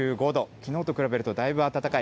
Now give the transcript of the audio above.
きのうと比べるとだいぶ暖かい。